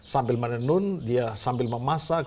sambil menenun dia sambil memasak